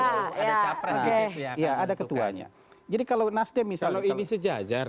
sama berikut adalah mungkin kalau sangat ber rencananya sekali mereka sejajar